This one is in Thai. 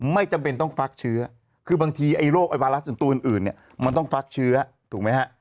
ไม่จำเป็นต้องฟักเชื้อคือบางทีไอ้โรคไอวาระส่วนตัวอื่นเนี่ยมันต้องฟักเชื้อถูกไหมฮะ